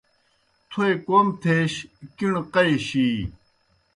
تھوئے کوْم تھیش کِݨہ قائے شِی